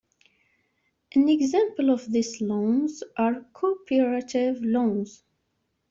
An example of these loans are cooperative loans.